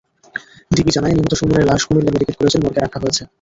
DB জানায়, নিহত সুমনের লাশ কুমিল্লা মেডিকেল কলেজের মর্গে রাখা হয়েছে।